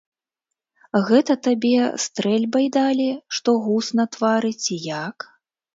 Гэта табе стрэльбай далі, што гуз на твары, ці як?